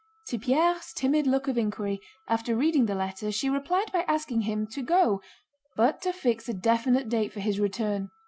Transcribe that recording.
To Pierre's timid look of inquiry after reading the letter she replied by asking him to go, but to fix a definite date for his return.